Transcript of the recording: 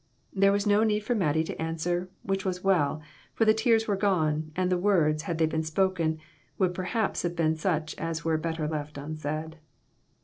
There was no need for Mattie to answer; which was well, for the tears were gone, and the words, had they been spoken, would perhaps have been such as were better left unsaid.